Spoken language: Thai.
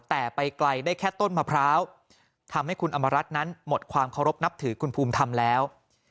แต่ไปไกลได้แค่ต้นมะพร้าวทำให้คุณอำมารัฐนั้นหมดความเคารพนับถือคุณภูมิธรรมแล้ว